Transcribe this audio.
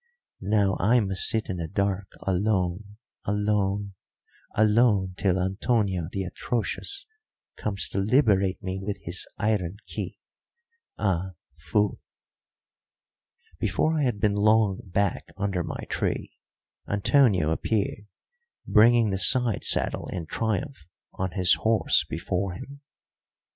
Now I must sit in the dark alone, alone, alone, till Antonio, the atrocious, comes to liberate me with his iron key ah, fool!" Before I had been long back under my tree, Antonio appeared, bringing the side saddle in triumph on his horse before him.